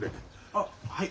あっはい。